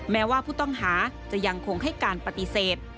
แม้ว่าผู้ต้องหาจะยังคงให้การปฏิเสธ